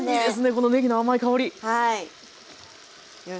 このねぎの甘い香り。